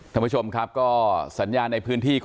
ท่านผู้ชมครับก็สัญญาณในพื้นที่ก็